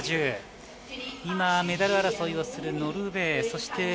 メダル争いをするノルウェー。